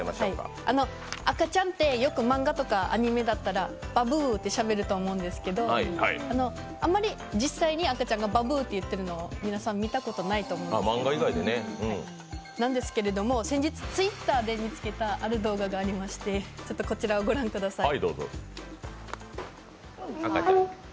赤ちゃんてよく漫画とかアニメだったらばぶぅってしゃべると思うんですけどあまり実際に赤ちゃんが、ばぶぅって言ってるの、見たことないと思うんですけどなんですけれども、先日Ｔｗｉｔｔｅｒで見つけたある動画がありましてこちらを御覧ください。